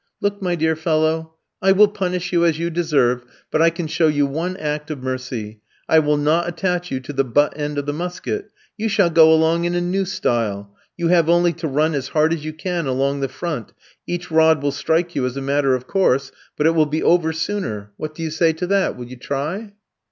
"Look, my dear fellow, I will punish you as you deserve, but I can show you one act of mercy. I will not attach you to the butt end of the musket, you shall go along in a new style, you have only to run as hard as you can along the front, each rod will strike you as a matter of course, but it will be over sooner. What do you say to that, will you try?"